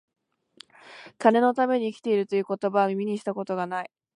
金のために生きている、という言葉は、耳にした事が無い